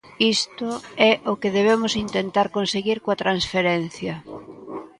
Isto é o que debemos intentar conseguir coa transferencia.